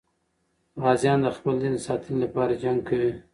غازیان د خپل دین د ساتنې لپاره جنګ کوي.